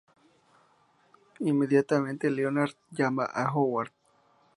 Inmediatamente, Leonard llama a Howard.